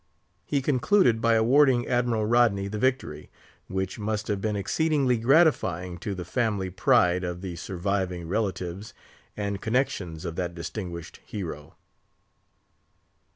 He concluded by awarding Admiral Rodney the victory, which must have been exceedingly gratifying to the family pride of the surviving relatives and connections of that distinguished hero.